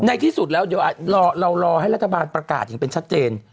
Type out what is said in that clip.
ในที่สุดแล้วเดี๋ยวเรารอให้รัฐบาลประกาศอย่างเป็นชัดเจน